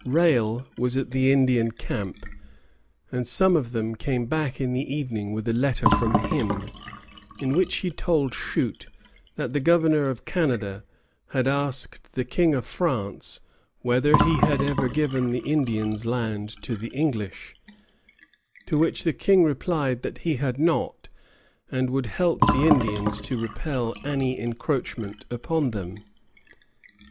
Rale was at the Indian camp, and some of them came back in the evening with a letter from him, in which he told Shute that the governor of Canada had asked the King of France whether he had ever given the Indians' land to the English, to which the King replied that he had not, and would help the Indians to repel any encroachment upon them.